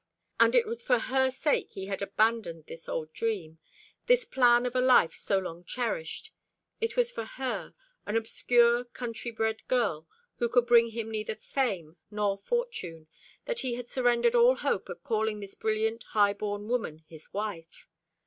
And it was for her sake he had abandoned this old dream this plan of a life so long cherished. It was for her, an obscure, country bred girl, who could bring him neither fame nor fortune, that he had surrendered all hope of calling this brilliant high born woman his wife.